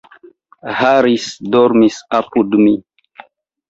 Harris dormis apud mi.